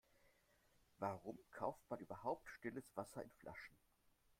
Warum kauft man überhaupt stilles Wasser in Flaschen?